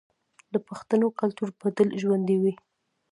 د پښتنو کلتور به تل ژوندی وي.